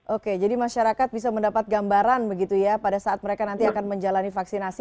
oke jadi masyarakat bisa mendapat gambaran begitu ya pada saat mereka nanti akan menjalani vaksinasi